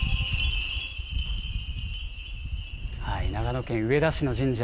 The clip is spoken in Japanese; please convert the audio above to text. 長野県上田市の神社。